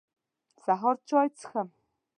سهار چاي څښم.